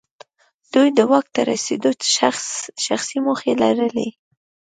دوی د واک ته رسېدو شخصي موخې لرلې.